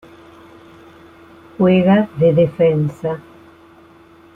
Juega de defensa.